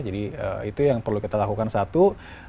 jadi itu yang perlu kita lakukan satu